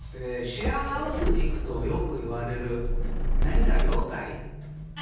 シェアハウスに行くとよく言われるなにか、ようかい？